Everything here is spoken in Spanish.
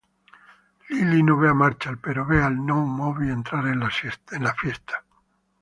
Lily no ve a Marshall pero ve al "no Moby" entrar a la fiesta.